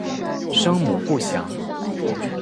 生母不详。